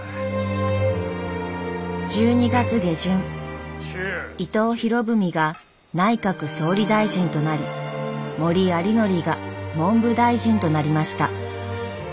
１２月下旬伊藤博文が内閣総理大臣となり森有礼が文部大臣となりました。